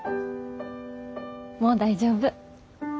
もう大丈夫。